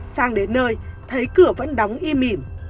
sang đến nơi thấy cửa vẫn đóng im im